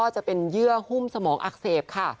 จะเป็นเยื่อหุ้มสมองอักเสบค่ะ